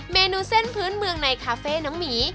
เมนูเส้นพื้นเมืองในคาเฟ่น้องหมี